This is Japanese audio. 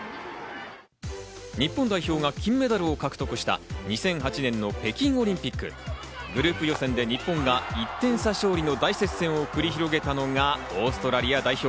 日本代表が金メダルを獲得した２００８年の北京オリンピック。グループ予選で日本が１点差勝利の大接戦を繰り広げたのがオーストラリア代表。